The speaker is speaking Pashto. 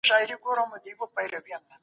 د طلاق مستند دلایل د اجتماعي تحول مظاهره کوي.